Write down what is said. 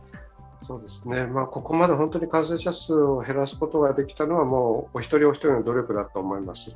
ここまで本当に感染者数を減らすことができたのはお一人お一人の努力だと思います。